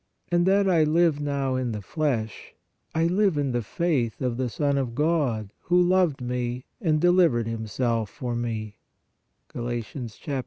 And that I live now in the flesh, I live in the faith of the Son of God, who loved me, and delivered Him self for me " (Gal.